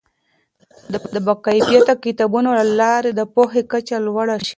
د باکیفیته کتابونو له لارې د پوهې کچه لوړه شي.